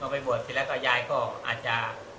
ไปบวดสิแล้วก็ยายก็อาจจะ